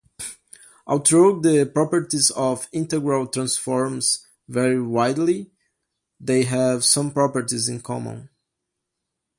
Although the properties of integral transforms vary widely, they have some properties in common.